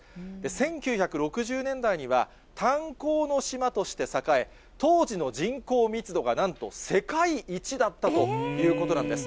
１９６０年代には、炭鉱の島として栄え、当時の人口密度がなんと世界一だったということなんです。